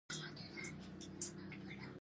د له منځه وړلو وظیفه ورکړه.